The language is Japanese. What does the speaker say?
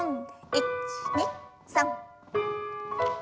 １２３。